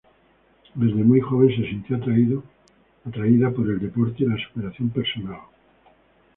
Desde muy joven se sintió atraída por el deporte y la superación personal.